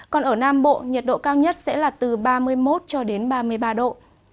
còn ở nam bộ nhiệt độ cao nhất sẽ là từ ba mươi một cho đến ba mươi ba độ